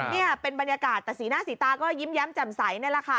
นี่เป็นบรรยากาศแต่สีหน้าสีตาก็ยิ้มแย้มแจ่มใสนี่แหละค่ะ